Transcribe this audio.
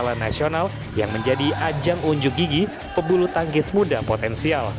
dan ini adalah satu dari beberapa komitmen pbsi yang diberikan oleh bni